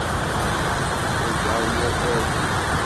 Turgaḍ yir targit.